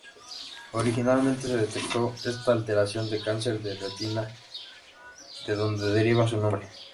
Originalmente se detectó esta alteración en cáncer de retina, de donde deriva su nombre.